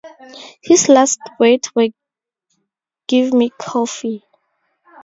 His last words were Give me coffee!